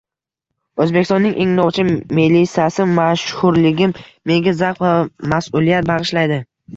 O‘zbekistonning eng novcha melisasi: «Mashhurligim menga zavq va mas'uliyat bag‘ishlaydi»